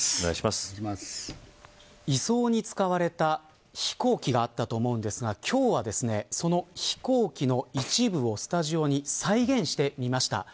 移送に使われた飛行機があったと思うんですが今日はこの飛行機の一部をスタジオに再現してみました。